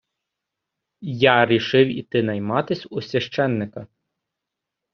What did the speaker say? Я рішив іти найматись у священика.